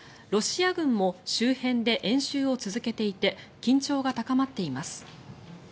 ロシア軍も周辺で演習を続けていて緊張が高まっています。